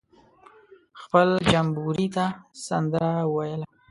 خپل جمبوري ته سندره ویله.